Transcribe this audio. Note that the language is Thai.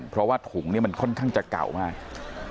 เพราะว่าถุงเนี่ยมันค่อนข้างจะเก่ามาก